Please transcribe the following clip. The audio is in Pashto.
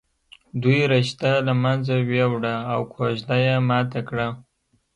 دوی رشته له منځه ويوړه او کوژده یې ماته کړه